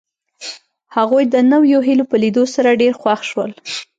هغوی د نویو هیلو په لیدو سره ډېر خوښ شول